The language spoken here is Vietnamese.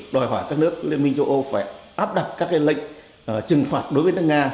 đòi hỏi các nước liên minh châu âu phải áp đặt các lệnh trừng phạt đối với nước nga